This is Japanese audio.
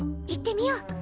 行ってみよう！